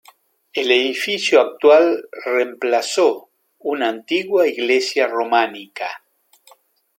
El edificio actual reemplazó una antigua iglesia románica.